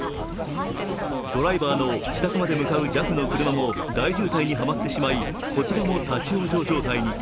ドライバーの自宅まで向かうＪＡＦの車も大渋滞にはまってしまいこちらも立往生状態に。